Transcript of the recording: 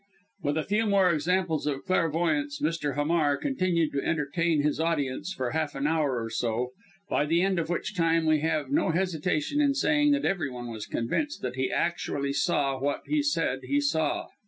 With a few more examples of clairvoyance Mr. Hamar continued to entertain his audience for half an hour or so, by the end of which time, we have no hesitation in saying that every one was convinced that he actually saw what, he said, he saw.